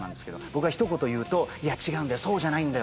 僕がひと言いうと「違うんだよそうじゃないんだよ」